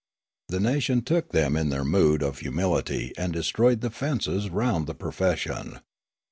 The nation took them in their mood of humility and destroyed the fences round the profession.